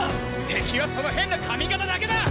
敵はその変な髪形だけだ！